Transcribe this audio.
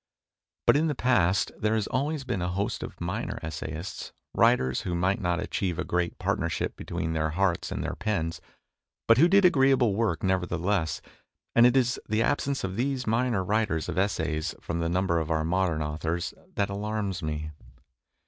But in the past there has always been a host of minor essayists, writers who might not achieve a great partnership between their hearts and their pens, but who did agreeable work nevertheless, and it is the absence of these minor writers of essays from the number of our modern authors that alarms me.